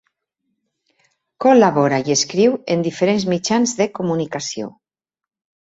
Col·labora i escriu en diferents mitjans de comunicació.